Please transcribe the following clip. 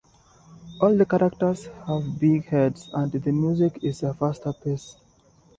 All the characters have big heads, and the music is a faster pace.